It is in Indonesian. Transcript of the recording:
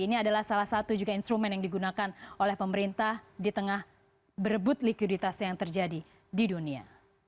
ini adalah salah satu juga instrumen yang digunakan oleh pemerintah di tengah berebut likuiditas yang terjadi di dunia